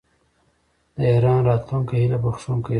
د ایران راتلونکی هیله بښونکی دی.